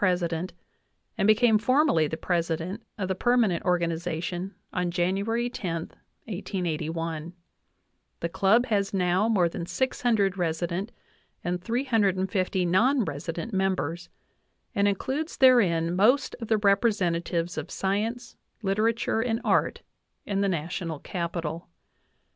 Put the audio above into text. president and became formally the president of the perma nent organization on January 10, i88i.l The club has now more than 600 resident and 350 non resident members, and includes therein most of the representatives of science, litera ture, and art in the National Capital.